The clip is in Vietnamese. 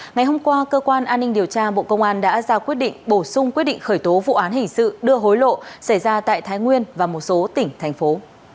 ngày hôm qua cơ quan an ninh điều tra bộ công an đã ra quyết định bổ sung quyết định khởi tố vụ án hình sự đưa hối lộ xảy ra tại thái nguyên và một số tỉnh thành phố